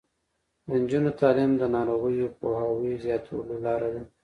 د نجونو تعلیم د ناروغیو پوهاوي زیاتولو لاره ده.